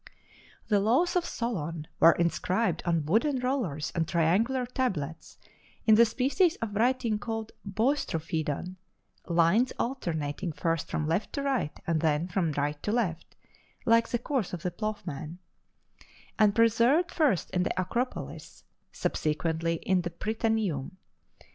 The laws of Solon were inscribed on wooden rollers and triangular tablets, in the species of writing called Boustrophedon (lines alternating first from left to right, and next from right to left, like the course of the ploughman) and preserved first in the Acropolis, subsequently in the Prytaneum.